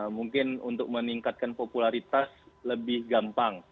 mungkin untuk meningkatkan popularitas lebih gampang